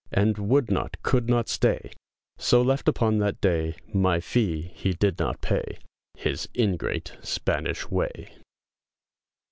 And would not, could not stay, So left upon that day, My fee he did not pay, His ingrate, Spanish way!